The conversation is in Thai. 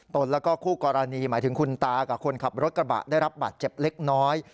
ตนแล้วก็คู่กรณีหมายถึงคุณตากับคนขับรถกระบะได้รับบาดเจ็บเล็กน้อย